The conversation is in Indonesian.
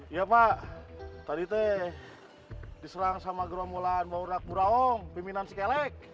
iya pak tadi itu diserang sama geromulan mbak urnak muraung bimbinan sikelek